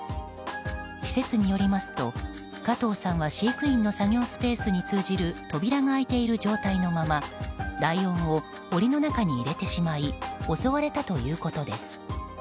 施設によりますと、加藤さんは飼育員の作業スペースに通じる扉が開いている状態のままライオンを檻の中に入れてしまい襲われたということです。